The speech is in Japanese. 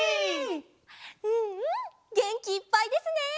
うんうんげんきいっぱいですね！